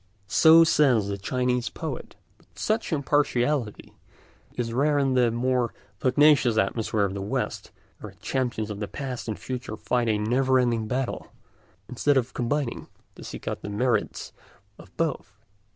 So says the Chinese poet; but such impartiality is rare in the more pugnacious atmosphere of the West, where the champions of past and future fight a never ending battle, instead of combining to seek out the merits of both.